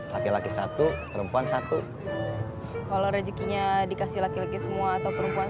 laki laki satu perempuan satu kalau rezekinya dikasih laki laki semua atau perempuan